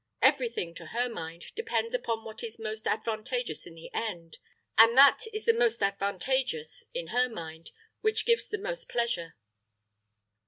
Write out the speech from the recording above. Every thing, to her mind, depends upon what is most advantageous in the end; and that is the most advantageous, in her mind, which gives the most pleasure."